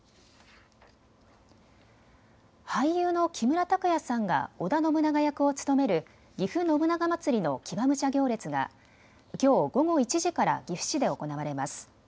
俳優の木村拓哉さんが織田信長役を務めるぎふ信長まつりの騎馬武者行列がきょう午後１時から岐阜市で行われます。